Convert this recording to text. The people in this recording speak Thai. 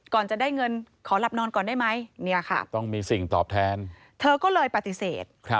ก่อนจะได้เงินขอหลับนอนก่อนได้ไหมเนี่ยค่ะต้องมีสิ่งตอบแทนเธอก็เลยปฏิเสธ